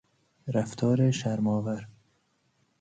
رفتار شرمآور